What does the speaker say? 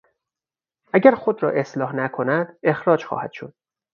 اگر خود را اصلاح نکند اخراج خواهد شد.